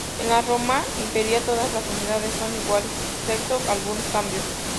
En la Roma Imperial todas las unidades son iguales excepto algunos cambios.